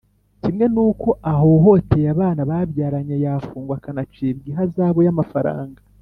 kimwe nuko ahohoteye abana babyaranye yafungwa akanacibwa ihazabu y’amafaranga.